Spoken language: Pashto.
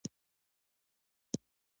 دا میوه د عضلاتو دردونه کموي.